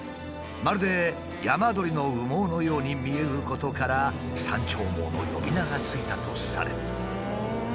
まるで山鳥の羽毛のように見えることから「山鳥毛」の呼び名が付いたとされる。